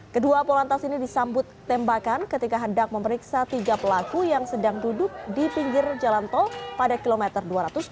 kedua polantas ini disambut tembakan ketika hendak memeriksa tiga pelaku yang sedang duduk di pinggir jalan tol pada kilometer dua ratus tujuh puluh